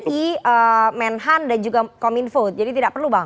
menko polukam kmhan dan juga kominfo jadi tidak perlu bang